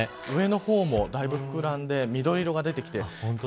上の方もだいぶ膨らんで緑色が出てきて。